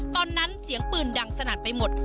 ตอนนั้นเสียงปืนดังสนั่นไปหมด